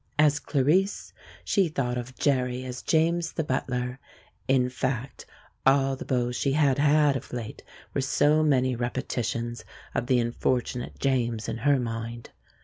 As Clarice, she thought of Jerry as James the butler; in fact, all the beaux she had had of late were so many repetitions of the unfortunate James in her mind.